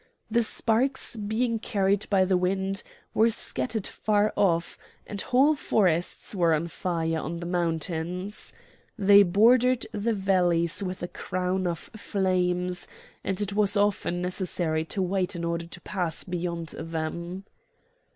The sparks, being carried by the wind, were scattered far off, and whole forests were on fire on the mountains; they bordered the valleys with a crown of flames, and it was often necessary to wait in order to pass beyond them.